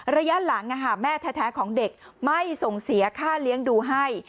ระยะหลังแม่แท้ของเด็กไม่ส่งเสียค่าเลี้ยงดูให้